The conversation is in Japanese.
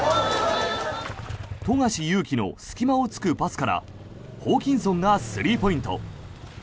富樫勇樹の隙間を突くパスからホーキンソンがスリーポイント。